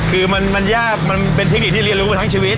คือมันยากมันเป็นเทคนิคที่เรียนรู้ทั้งชีวิต